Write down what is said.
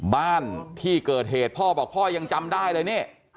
บ้านที่เกิดเหตุพ่อบอกพ่อยังจำได้เลยนี่